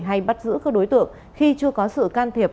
hay bắt giữ các đối tượng khi chưa có sự can thiệp